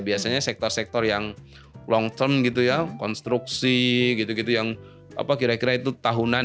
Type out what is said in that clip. biasanya sektor sektor yang long term gitu ya konstruksi gitu gitu yang apa kira kira itu tahunan